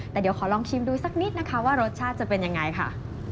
แต่เดี๋ยวขอลองชิมดูสักนิดนะคะว่ารสชาติจะเป็นยังไงค่ะ